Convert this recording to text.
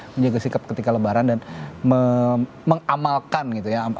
menjaga sikap ketika lebaran dan mengamalkan gitu ya